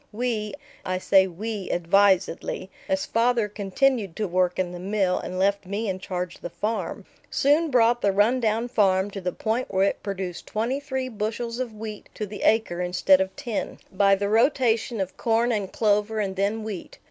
We I say "we" advisedly, as father continued to work in the mill and left me in charge of the farm soon brought the run down farm to the point where it produced twenty three bushels of wheat to the acre instead of ten, by the rotation of corn and clover and then wheat.